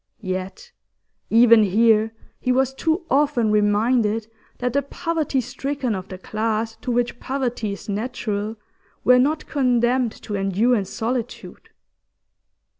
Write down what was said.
Yet even here he was too often reminded that the poverty stricken of the class to which poverty is natural were not condemned to endure in solitude.